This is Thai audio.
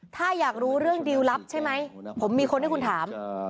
ถ้าอยากรู้เรื่องดิวลลับใช่ไหมผมมีคนให้คุณถาม